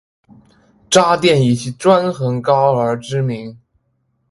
渣甸以其专横高傲而知名。